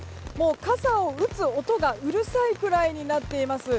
傘を打つ音がうるさいくらいになっています。